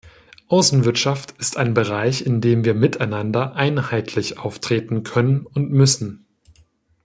Außenwirtschaft ist ein Bereich, in dem wir miteinander einheitlich auftreten können und müssen.